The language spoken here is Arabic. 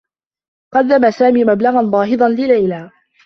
قدّم سامي مبلغا باهضا لليلى.